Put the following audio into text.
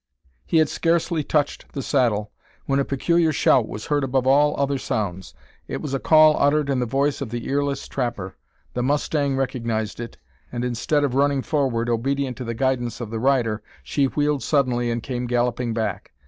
He had scarcely touched the saddle when a peculiar shout was heard above all other sounds. It was a call uttered in the voice of the earless trapper. The mustang recognised it; and instead of running forward, obedient to the guidance of her rider, she wheeled suddenly and came galloping back.